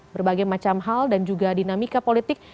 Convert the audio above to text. berbagai macam hal dan juga dinamika politik